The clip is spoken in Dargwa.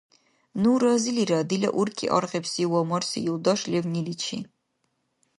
Ну разилира дила уркӀи аргъибси ва марси юлдаш левниличи.